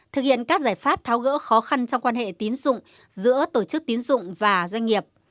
thực hiện các giải pháp tháo gỡ khó khăn trong quan hệ tín dụng giữa tổ chức tín dụng và doanh nghiệp